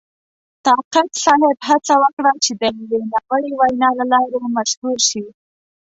طاقت صاحب هڅه وکړه چې د یوې ناوړې وینا له لارې مشهور شي.